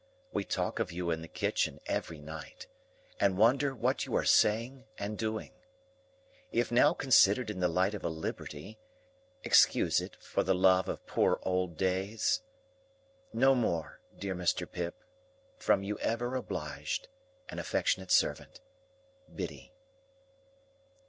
We talk of you in the kitchen every night, and wonder what you are saying and doing. If now considered in the light of a liberty, excuse it for the love of poor old days. No more, dear Mr. Pip, from "Your ever obliged, and affectionate servant, "BIDDY."